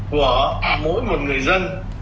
của mỗi một người dân